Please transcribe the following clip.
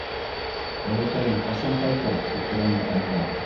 - Олатайың ҡасан ҡайта? - тип һораны Айҙар.